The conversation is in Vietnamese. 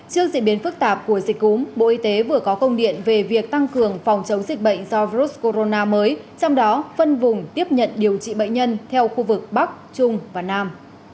trước diễn biến phức tạp của dịch cúm bộ y tế vừa có công điện về việc tăng cường phòng chống dịch bệnh do virus corona mới trong đó phân vùng tiếp nhận điều trị bệnh nhân theo khu vực bắc trung và nam